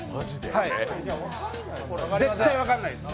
絶対に分からないです